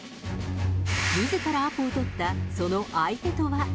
みずからアポを取ったその相手とは。